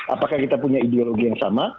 apakah kita punya ideologi yang sama